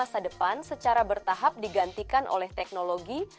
masa depan secara bertahap digantikan oleh teknologi